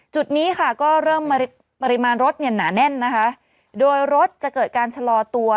จุดนี้ค่ะก็เริ่มปริมาณรถเนี่ยหนาแน่นนะคะโดยรถจะเกิดการชะลอตัว